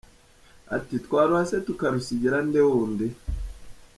Ati “Twaruha se tukarusigira nde wundi?”.